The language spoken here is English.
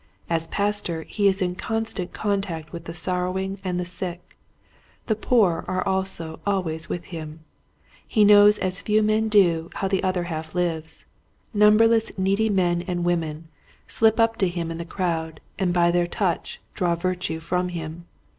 As pastor he is in constant contact with the sorrowing and the sick. The poor also are always with him. He knows as few men do how the other half lives. Numberless needy men and women slip up to him in the crowd and by their touch draw virtue from him.